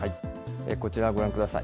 こちら、ご覧ください。